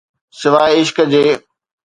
سواءِ عشق جي.